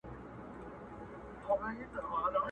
پاس یې کړکۍ ده پکښي دوې خړي هینداري ښکاري!!